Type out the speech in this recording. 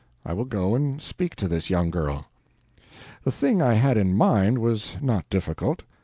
I will go and speak to this young girl." The thing I had in my mind was not difficult.